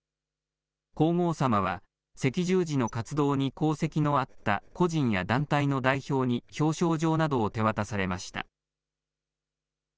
皇后さまは、赤十字の活動に功績のあった個人や団体の代表に表彰状などを手渡されました。